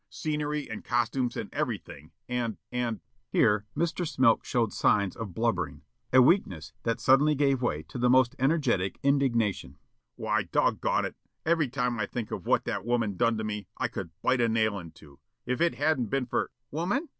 Scenery and costumes and everything and and " Here Mr. Smilk showed signs of blubbering, a weakness that suddenly gave way to the most energetic indignation. "Why, doggone it, every time I think of what that woman done to me, I could bite a nail in two. If it hadn't been for " "Woman?